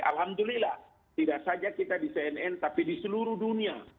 alhamdulillah tidak saja kita di cnn tapi di seluruh dunia